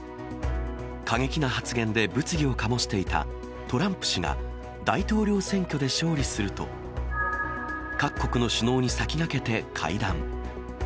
過激な発言で物議を醸していたトランプ氏が、大統領選挙で勝利すると、各国の首脳に先駆けて会談。